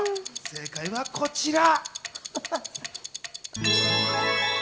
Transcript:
正解はこちら。